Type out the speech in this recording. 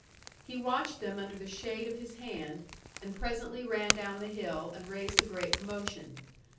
He watched them under the shade of his hand, and presently ran down the hill, and raised a great commotion.